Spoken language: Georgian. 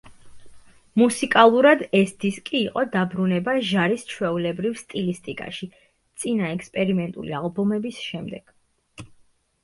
მუსიკალურად ეს დისკი იყო დაბრუნება ჟარის ჩვეულებრივ სტილისტიკაში, წინა ექსპერიმენტული ალბომების შემდეგ.